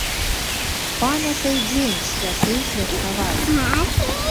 Памятай дзень святы святкаваць.